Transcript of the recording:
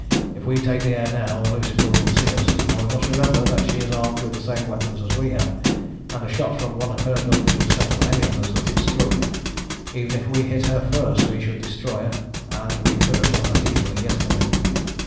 "If we take the air now the Lucifer will see us; and we must remember that she is armed with the same weapons as we have, and a shot from one of her guns would settle any of us that it struck. Even if we hit her first we should destroy her, and we could have done that easily yesterday.